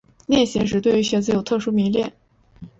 恋鞋指对于鞋子有特殊迷恋。